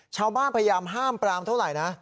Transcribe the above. ชาวบ้านพยายามห้ามปรามเท่าไรนะ